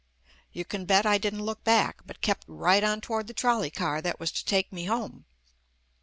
You can bet I didn't look back, but kept right on toward the trolley car that was to take me home.